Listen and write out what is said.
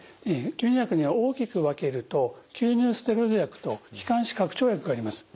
吸入薬には大きく分けると吸入ステロイド薬と気管支拡張薬があります。